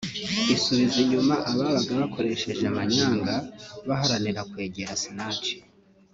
isubiza inyuma ababaga bakoresheje amanyanga baharanira kwegera Sinach